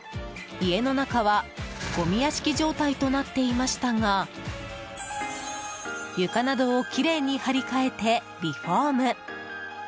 家の中は、ごみ屋敷状態となっていましたが床などをきれいに張り替えてリフォーム。